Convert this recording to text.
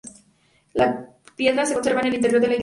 La piedra se conserva en el interior de la iglesia.